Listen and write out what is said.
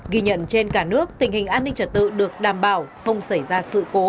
ghi nhận trên cả nước tình hình an ninh trật tự được đảm bảo không xảy ra sự cố